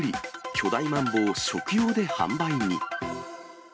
巨大マンボウ食用で販売に。